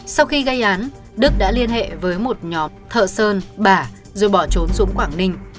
sau khi gây án đức đã liên hệ với một nhóm thợ sơn bả rồi bỏ trốn xuống quảng ninh